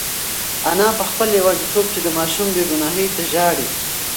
انا په خپل یوازیتوب کې د ماشوم بېګناهۍ ته ژاړي.